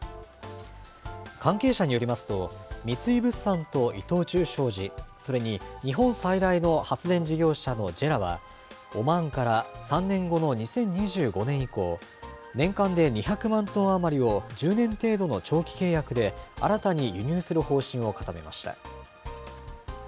関係者によりますと、三井物産と伊藤忠商事、それに日本最大の発電事業者のＪＥＲＡは、オマーンから３年後の２０２５年以降、年間で２００万トン余りを、１０年程度の長期契約で新たに輸入する方針を固めました。